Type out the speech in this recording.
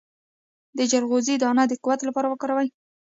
د چلغوزي دانه د قوت لپاره وکاروئ